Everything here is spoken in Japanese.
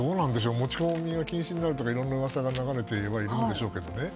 持ち込みが禁止になるとかいろんな噂が流れてはいるんでしょうけどね。